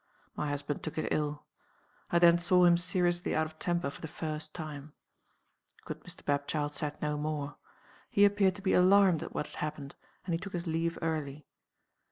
My husband took it ill. I then saw him seriously out of temper for the first time. Good Mr. Bapchild said no more. He appeared to be alarmed at what had happened, and he took his leave early.